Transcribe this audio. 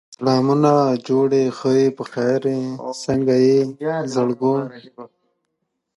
هیڅوک به بهر څخه را نه شي.